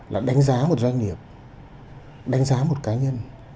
là đánh giá một doanh nghiệp đánh giá một cá nhân